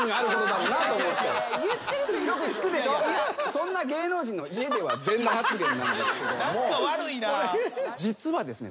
そんな芸能人の家では全裸発言なんですけども実はですね